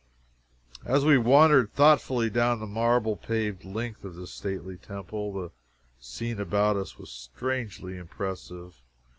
As we wandered thoughtfully down the marble paved length of this stately temple, the scene about us was strangely impressive.